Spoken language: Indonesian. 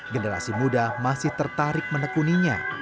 generasi muda masih tertarik menekuninya